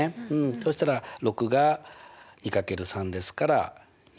そしたら６が２×３ですから２。